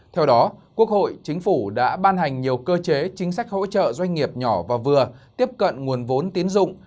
theo đó quốc hội chính phủ đã ban hành nhiều cơ chế chính sách hỗ trợ doanh nghiệp nhỏ và vừa tiếp cận nguồn vốn tiến dụng